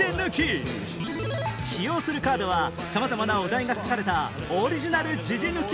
使用するカードはさまざまなお題が書かれたオリジナルジジ抜き